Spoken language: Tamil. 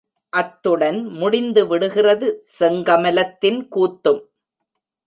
அத்துடன் முடிந்து விடுகிறது செங்கமலத்தின் கூத்தும்!